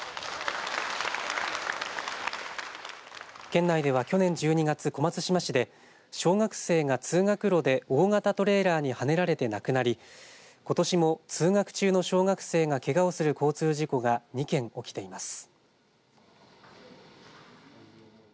県内では去年１２月、小松島市で小学生が通学路で大型トレーラーにはねられて亡くなりことしも通学中の小学生がけがをする交通事故が２件起きています。